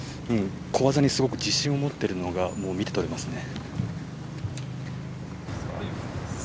小技にすごく自信を持ってるのがもう見て取れますね。